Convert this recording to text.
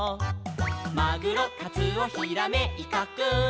「マグロカツオヒラメイカくん」